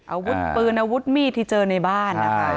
อาวุธปืนอาวุธมีดที่เจอในบ้านนะคะ